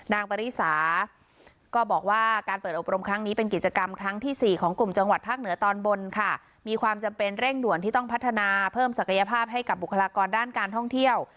ปริสาก็บอกว่าการเปิดอบรมครั้งนี้เป็นกิจกรรมครั้งที่สี่ของกลุ่มจังหวัดภาคเหนือตอนบนค่ะมีความจำเป็นเร่งด่วนที่ต้องพัฒนาเพิ่มศักยภาพให้กับบุคลากรด้านการท่องเที่ยว